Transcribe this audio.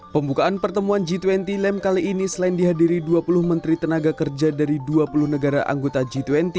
pembukaan pertemuan g dua puluh lem kali ini selain dihadiri dua puluh menteri tenaga kerja dari dua puluh negara anggota g dua puluh